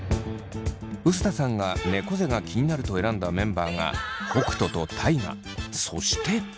碓田さんがねこ背が気になると選んだメンバーが北斗と大我そして。